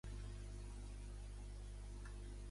Sílvia Romero i Olea és una escriptora nascuda a Barcelona.